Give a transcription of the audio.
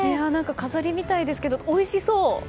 飾りみたいですけどおいしそう。